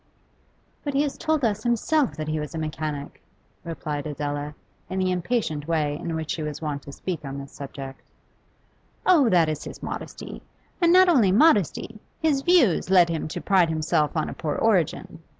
'But he has told us himself that he was a mechanic,' replied Adela, in the impatient way in which she was wont to speak on this subject. 'Oh, that is his modesty. And not only modesty; his views lead him to pride himself on a poor origin.